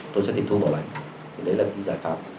thì về phía nhà đầu tư